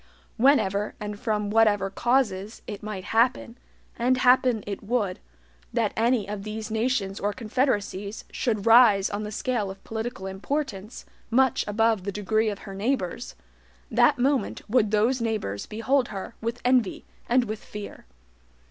Whenever, and from whatever causes, it might happen, and happen it would, that any one of these nations or confederacies should rise on the scale of political importance much above the degree of her neighbors, that moment would those neighbors behold her with envy and with fear.